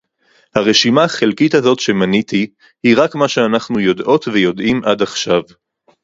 הרשימה החלקית הזאת שמניתי היא רק מה שאנחנו יודעות ויודעים עד עכשיו